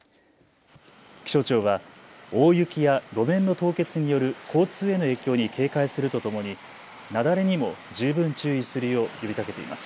気象庁は大雪や路面の凍結による交通への影響に警戒するとともに雪崩にも十分注意するよう呼びかけています。